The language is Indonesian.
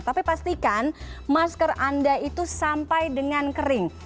tapi pastikan masker anda itu sampai dengan kering